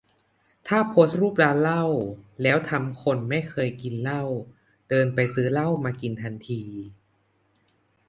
ถ้าโพสต์รูปเหล้าแล้วทำคนไม่เคยกินเหล้าเดินไปซื้อเหล้ามากินทันที